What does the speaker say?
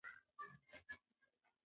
هلک غواړي چې انا ورته په مینه وگوري.